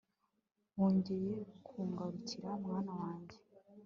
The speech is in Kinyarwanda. wongeye kungarukira mwana wanjye